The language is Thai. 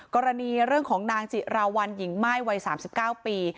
กรณีเรื่องของนางจิราวัลหญิงม่ายวัย๓๙ปี